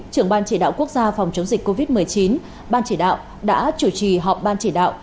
trưởng ban chỉ đạo quốc gia phòng chống dịch covid một mươi chín ban chỉ đạo đã chủ trì họp ban chỉ đạo